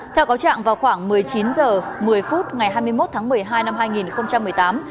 theo cáo trạng vào khoảng một mươi chín h một mươi phút ngày hai mươi một tháng một mươi hai năm hai nghìn một mươi tám